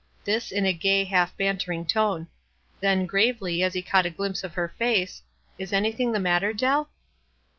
This in a gay, half bantering tone. Then, gravely, as he caught a glimpse of her face, " Is anything the matter, Dell?"